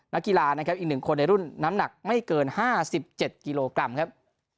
นักกีฬานะครับอีกหนึ่งคนในรุ่นน้ำหนักไม่เกินห้าสิบเจ็ดกิโลกรัมครับ